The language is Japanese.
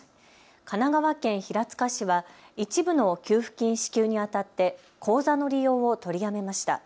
神奈川県平塚市は一部の給付金支給にあたって口座の利用を取りやめました。